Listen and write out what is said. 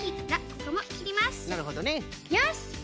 なるほどね。よし！